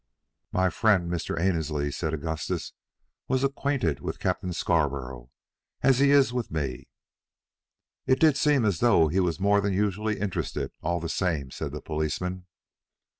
"My friend Mr. Annesley," said Augustus, "was acquainted with Captain Scarborough, as he is with me." "It did seem as though he was more than usually interested, all the same," said the policeman.